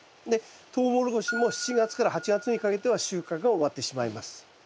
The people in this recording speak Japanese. でトウモロコシも７月から８月にかけては収穫が終わってしまいます。